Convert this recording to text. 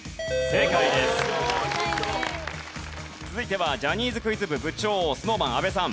続いてはジャニーズクイズ部部長ＳｎｏｗＭａｎ阿部さん。